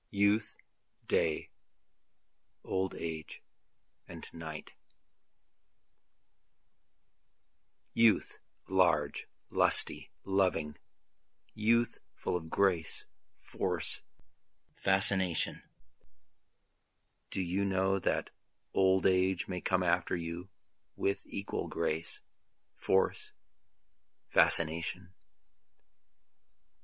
Youth, Day, Old Age and Night Youth, large, lusty, loving youth full of grace, force, fascination, Do you know that Old Age may come after you with equal grace, force, fascination?